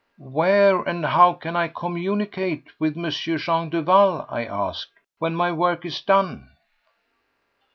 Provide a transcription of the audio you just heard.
"Where and how can I communicate with M. Jean Duval," I asked, "when my work is done?"